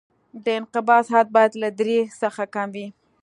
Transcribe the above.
د انقباض حد باید له درې څخه کم وي